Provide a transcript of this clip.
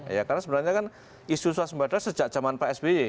ya karena sebenarnya kan isu swasembada sejak zaman pak sby